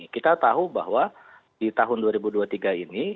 kita tahu bahwa di tahun dua ribu dua puluh tiga ini